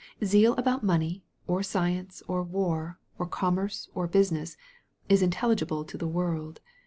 Zeal about money, or science, or war, or com merce, or business, is intelligible to the world.